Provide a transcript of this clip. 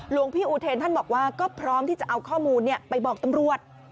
หลวงพี่อูเทนท่านบอกว่าก็พร้อมที่จะเอาข้อมูลไปบอกตำรวจ